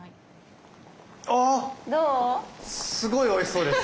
あっすごいおいしそうです。